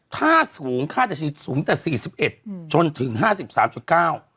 ค่าสูงค่าจะฉีดสูงแต่สี่สิบเอ็ดอืมจนถึงห้าสิบสามจุดเก้า